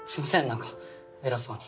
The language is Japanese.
何か偉そうに。